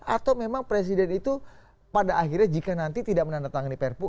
atau memang presiden itu pada akhirnya jika nanti tidak menandatangani perpu